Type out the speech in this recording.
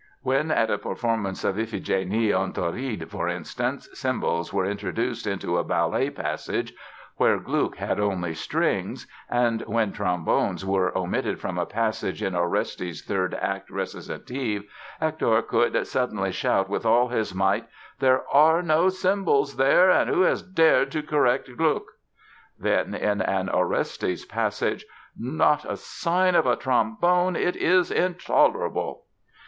When at a performance of "Iphigénie en Tauride," for instance, cymbals were introduced into a ballet passage where Gluck has only strings and when trombones were omitted from a passage in Orestes' third act recitative Hector would suddenly shout with all his might: "There are no cymbals there; who has dared to correct Gluck?" Then, in an Orestes passage: "Not a sign of a trombone; it is intolerable!"